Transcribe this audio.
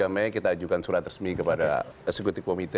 tiga mei kita ajukan surat resmi kepada sekutip komite